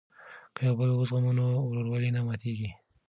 که یو بل وزغمو نو ورورولي نه ماتیږي.